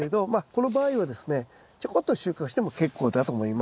この場合はですねちょこっと収穫しても結構だと思います。